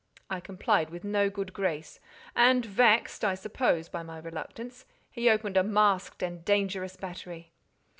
I complied with no good grace, and vexed, I suppose, by my reluctance, he opened a masked and dangerous battery.